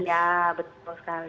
iya betul sekali